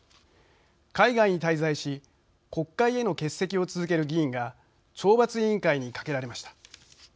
海外に滞在し国会への欠席を続ける議員が懲罰委員会にかけられました。